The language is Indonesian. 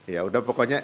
ya udah pokoknya